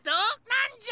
なんじゃ？